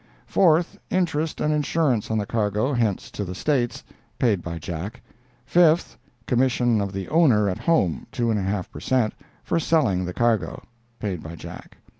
Fourth—Interest and insurance on the cargo hence to the States—paid by Jack. Fifth—Commission of the owner at home (2 1/2 per cent.) for selling the cargo—paid by Jack.